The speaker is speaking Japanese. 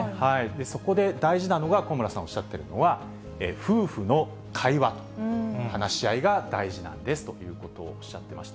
そこで大事なのが、香村さんおっしゃってるのは、夫婦の会話、話し合いが大事なんですということをおっしゃっていました。